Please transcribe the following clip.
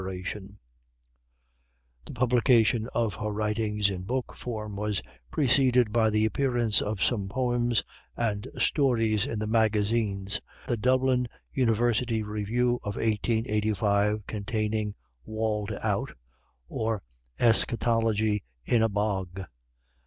[Illustration: Jane Barlow] The publication of her writings in book form was preceded by the appearance of some poems and stories in the magazines, the Dublin University Review of 1885 containing 'Walled Out; or, Eschatology in a Bog.'